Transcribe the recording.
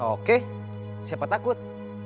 oke siapa takut